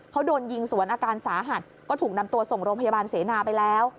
เขาโดนยิงสวนอาการสาหัสก็ถูกนำตัวส่งโรงพยาบาลเสนาไปแล้ว